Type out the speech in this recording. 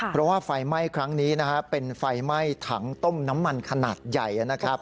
เพราะว่าไฟไหม้ครั้งนี้นะฮะเป็นไฟไหม้ถังต้มน้ำมันขนาดใหญ่นะครับ